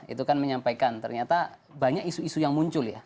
itu kan menyampaikan ternyata banyak isu isu yang muncul ya